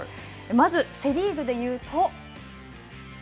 まず、セ・リーグで見ると。